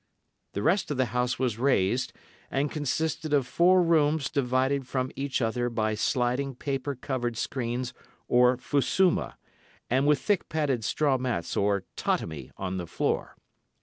The rest of the house was raised, and consisted of four rooms divided from each other by sliding paper covered screens or fusuma, and with thick padded straw mats or tatami on the floor.